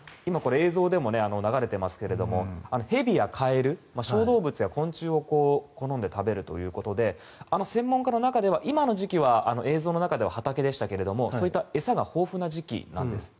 映像でも流れていますがヘビやカエル小動物や昆虫を好んで食べるということで専門家の中では今の時期は映像の中では畑でしたが、そういった餌が豊富な時期なんですって。